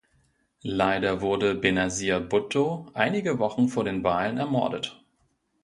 Leider wurde Benazir Bhutto einige Wochen vor den Wahlen ermordet.